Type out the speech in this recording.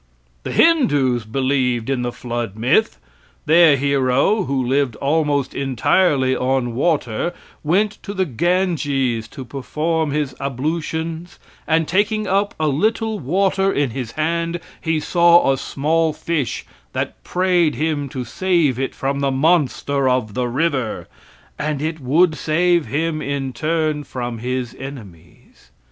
The Hindoos believed in the flood myth. Their hero, who lived almost entirely on water, went to the Ganges to perform his ablutions, and, taking up a little water in his hand, he saw a small fish that prayed him to save it from the monster of the river, and it would save him in turn from his enemies.